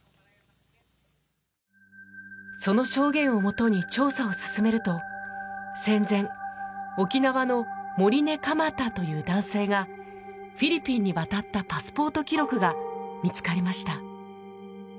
その証言をもとに調査を進めると戦前沖縄の盛根蒲太という男性がフィリピンに渡ったパスポート記録が見つかりました。